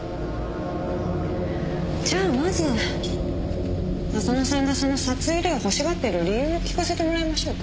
じゃあまず浅野さんがその札入れを欲しがってる理由を聞かせてもらいましょうか。